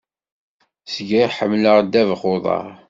Zgiɣ ḥemmleɣ ddabex uḍaṛ.